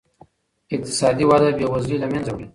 اقتصادي وده بېوزلي له منځه وړي.